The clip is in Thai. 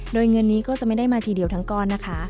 โดยเงินนี้ก็จะไม่ได้มาทีเดียวทั้งก้อนนะคะ